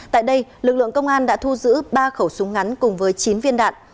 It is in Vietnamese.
tại đây lực lượng công an đã thu giữ ba khẩu súng ngắn cùng với chín viên đạn